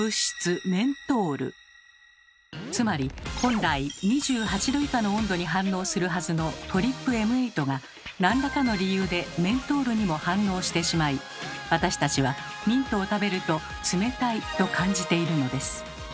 つまり本来２８℃以下の温度に反応するはずのＴＲＰＭ８が何らかの理由でメントールにも反応してしまい私たちはミントを食べると「冷たい」と感じているのです。